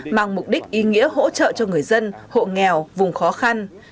mang mục đích ý nghĩa hỗ trợ cho người dân hộ nghèo vùng khó khăn